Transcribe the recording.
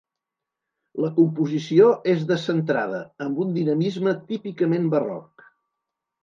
La composició és descentrada, amb un dinamisme típicament barroc.